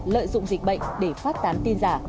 lợi dụng dịch bệnh để phát tán tin giả